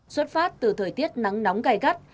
xuất phát từ thời tiết nắng nóng gai gắt